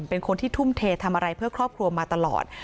เป็นคนที่ทุ่มเททำอะไรเพื่อครอบครัวมาตลอด